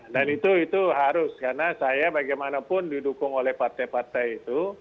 dan itu harus karena saya bagaimanapun didukung oleh partai partai itu